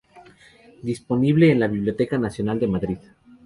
Disponible en la Biblioteca Nacional de Madrid.